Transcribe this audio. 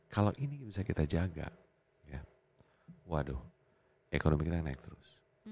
kalau ini bisa kita jaga waduh ekonomi kita naik terus